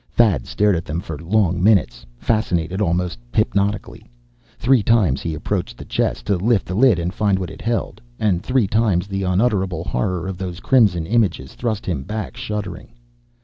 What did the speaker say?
Thad stared at them for long minutes, fascinated almost hypnotically. Three times he approached the chest, to lift the lid and find what it held. And three times the unutterable horror of those crimson images thrust him back, shuddering.